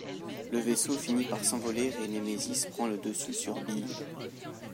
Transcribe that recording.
Le vaisseau finit par s'envoler et Nemesis prend le dessus sur Bee.